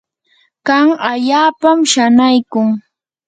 kan allaapam shanaykun.